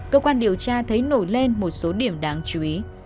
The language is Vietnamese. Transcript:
cơ quan điều tra thấy nổi lên một số điểm đáng chú ý